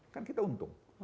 kan kita untung